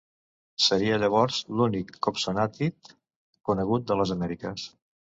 Seria llavors l'únic "compsognathid" conegut de les Amèriques.